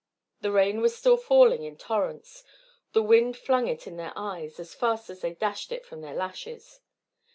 The rain was still falling in torrents; the wind flung it in their eyes as fast as they dashed it from their lashes.